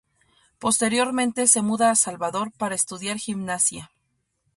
Posteriormente se muda a Salvador para estudiar gimnasia.